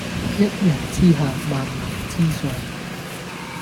一人之下萬人之上